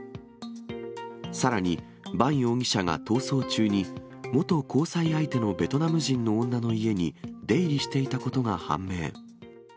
さらに、バン容疑者が逃走中に元交際相手のベトナム人の女の家に出入りしていたことが判明。